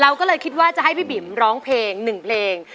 เราก็เลยคิดว่าจะให้พี่บิ๋มร้องเพลง๑เพลง